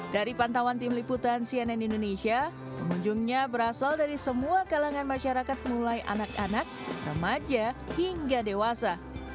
dari pantauan tim liputan cnn indonesia pengunjungnya berasal dari semua kalangan masyarakat mulai anak anak remaja hingga dewasa